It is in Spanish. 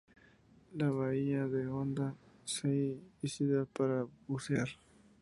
La bahía de Honda es ideal para bucear.